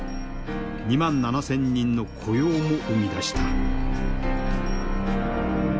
２万７，０００人の雇用も生み出した。